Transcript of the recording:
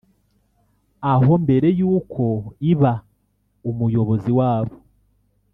aho mbere y’uko iba umuyobozi wabo